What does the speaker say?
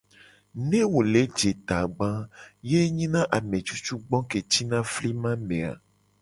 Ne wo le je tagba a, ye nyina ame cucugbo ke cina flima me a.